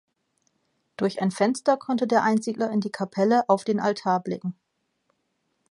Durch ein Fenster konnte der Einsiedler in die Kapelle auf den Altar blicken.